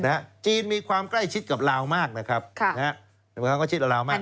จีนมีความใกล้ชิดกับลาวมากนะครับค่ะนะฮะใกล้ชิดกับลาวมาก